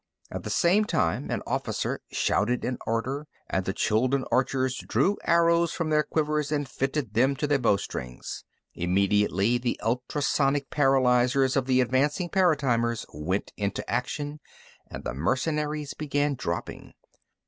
At the same time, an officer shouted an order, and the Chuldun archers drew arrows from their quivers and fitted them to their bowstrings. Immediately, the ultrasonic paralyzers of the advancing paratimers went into action, and the mercenaries began dropping.